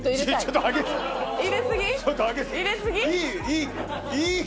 入れ過ぎ？